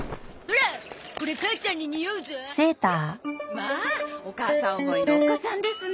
まあお母さん思いのお子さんですね。